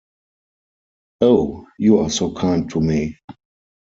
Oh, you are so kind to me.